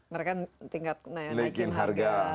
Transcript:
mereka tingkat naikin harga